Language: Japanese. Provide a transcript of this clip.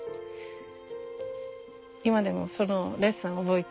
今でもそのレッスン覚えてる。